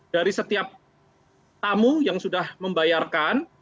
dari setiap tamu yang sudah membayarkan